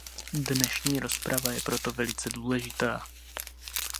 Dnešní rozprava je proto velice důležitá.